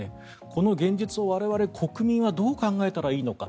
この現実を我々国民はどう考えたらいいのか。